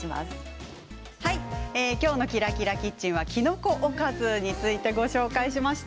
今日の「ＫｉｒａＫｉｒａキッチン」きのこおかずについてご紹介しました。